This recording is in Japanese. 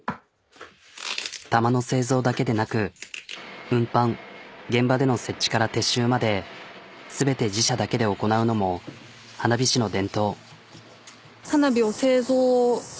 玉の製造だけでなく運搬現場での設置から撤収まで全て自社だけで行なうのも花火師の伝統。